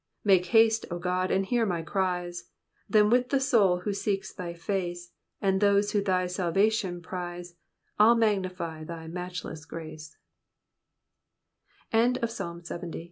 Make haste, O God, and hear my cries ; Then with the souls who seek thy face. And those who thy salvation prize, I'll magnify thy matchles